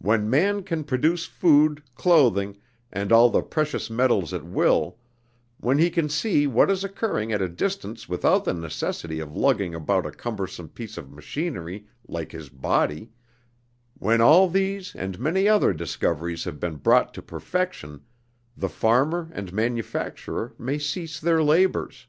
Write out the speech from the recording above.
When man can produce food, clothing, and all the precious metals at will; when he can see what is occurring at a distance without the necessity of lugging about a cumbersome piece of machinery like his body when all these and many other discoveries have been brought to perfection, the farmer and manufacturer may cease their labors.